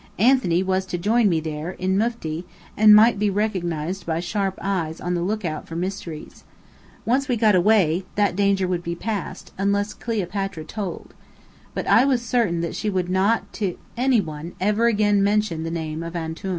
Anthony was to join me there, in mufti, and might be recognised by sharp eyes on the lookout for mysteries. Once we got away, that danger would be past: unless Cleopatra told. But I was certain that she would not to any one ever again mention the name of Antoun.